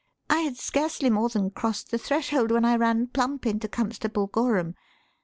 I had scarcely more than crossed the threshold when I ran plump into Constable Gorham.